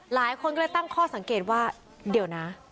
หลายคนก็เลยตั้งข้อสังเกตว่าเดี๋ยวนะ